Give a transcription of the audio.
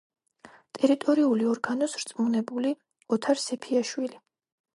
ტერიტორიული ორგანოს რწმუნებული ოთარ სეფიაშვილი.